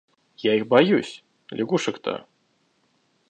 Я их боюсь, лягушек-то.